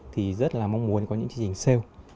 thì rất là mong muốn có những chương trình sale